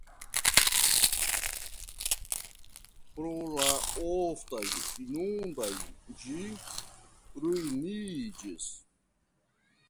Pro la oftaj inundoj ĝi ruiniĝis.